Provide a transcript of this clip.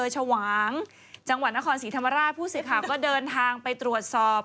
ของนครศรีธรรมราชผู้สิทธิ์ข่าวก็เดินทางไปตรวจสอบ